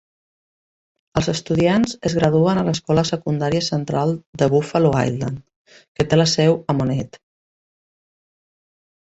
Els estudiants es graduen a l'escola secundària central de Buffalo Island, que té la seu a Monette.